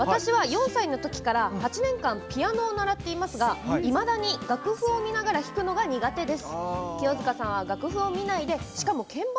私は４歳のときから８年間ピアノを習っていますがいまだに楽譜を見ながら弾くのが苦手です。